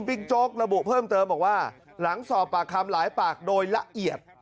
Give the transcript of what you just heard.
โจ๊กระบุเพิ่มเติมบอกว่าหลังสอบปากคำหลายปากโดยละเอียด